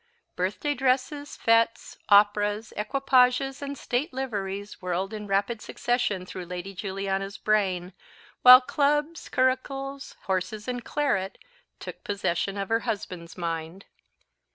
Birthday dresses, fetes, operas, equipages, and state liveries whirled in rapid succession through Lady Juliana's brain, while clubs, curricles, horses, and claret, took possession of her husband's mind.